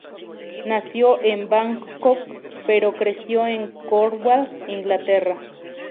Nació en Bangkok, pero creció en Cornwall, Inglaterra.